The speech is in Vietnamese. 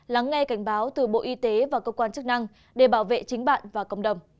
lắng nghe cảnh báo từ bộ y tế và cơ quan chức năng để bảo vệ chính bạn và cộng đồng